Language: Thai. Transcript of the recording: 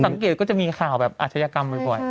ก็จะมีข่าวแบบอาชญากรรมบ่อย